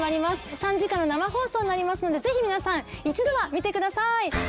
３時間の生放送になりますのでぜひ皆さん一度は見てください。